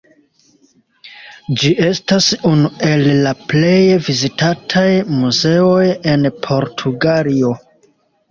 Ĝi estas unu el la plej vizitataj muzeoj en Portugalio.